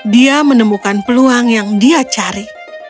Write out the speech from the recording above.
dia menemukan peluang yang dia cari